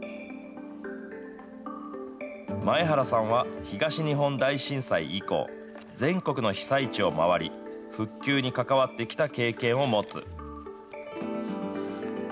前原さんは、東日本大震災以降、全国の被災地を回り、復旧に関わってきた経験を持つ。